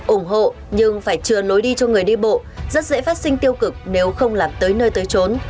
ủng hộ nhưng phải chừa lối đi cho người đi bộ rất dễ phát sinh tiêu cực nếu không làm tới nơi tới trốn